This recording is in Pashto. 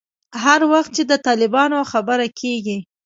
هر وخت چې د طالبانو خبره کېږي.